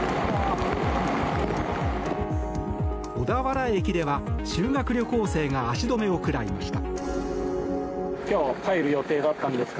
小田原駅では、修学旅行生が足止めを食らいました。